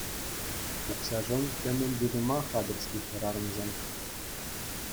Укҫашӑн темӗн те тума хатӗр-ҫке хӗрарӑмсем.